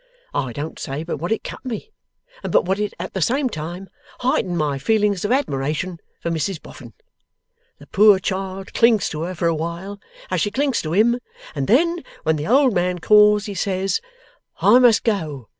I don't say but what it cut me, and but what it at the same time heightened my feelings of admiration for Mrs Boffin. The poor child clings to her for awhile, as she clings to him, and then, when the old man calls, he says "I must go!